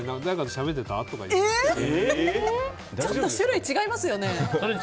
ちょっと種類違いますよね。